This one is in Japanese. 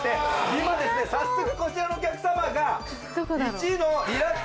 今ですね早速こちらのお客さまが。